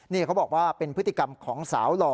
นี่เขาบอกว่าเป็นพฤติกรรมของสาวหล่อ